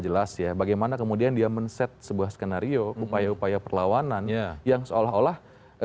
jelas ya bagaimana kemudian dia men set sebuah skenario upaya upaya perlawanan yang seolah olah